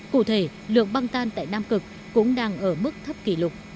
cụ thể lượng băng tan tại nam cực cũng đang ở mức thấp kỷ lục